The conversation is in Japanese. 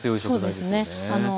そうですね